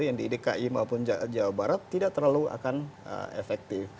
yang di dki maupun jawa barat tidak terlalu akan efektif